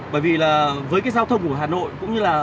bởi vì là với cái giao thông của hà nội cũng như là